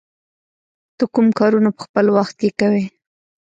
ته کوم کارونه په خپل وخت کې کوې؟